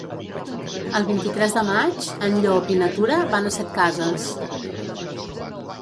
El vint-i-tres de maig en Llop i na Tura van a Setcases.